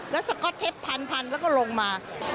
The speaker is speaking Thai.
แล้วสก๊อตเทปพันแล้วก็ลงมา